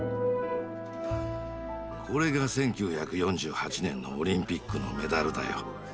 これが１９４８年のオリンピックのメダルだよ。